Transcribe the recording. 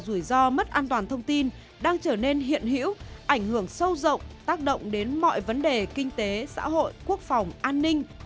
rủi ro mất an toàn thông tin đang trở nên hiện hữu ảnh hưởng sâu rộng tác động đến mọi vấn đề kinh tế xã hội quốc phòng an ninh